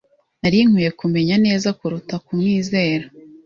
Nari nkwiye kumenya neza kuruta kumwizera.